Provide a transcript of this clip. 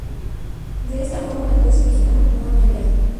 De esta forma, la clase original no ha cambiado.